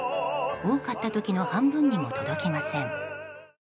多かった時の半分にも届きません。